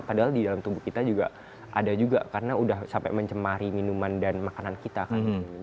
padahal di dalam tubuh kita juga ada juga karena udah sampai mencemari minuman dan makanan kita kan